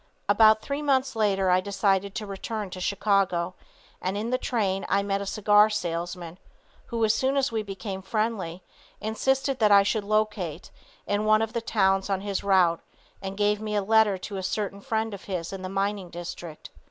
About three months later I decided to return to Chicago, and in the train I met a cigar salesman who, as we soon became friendly, insisted that I should locate in one of the towns on his route and gave me a letter to a certain friend of his in the mining district.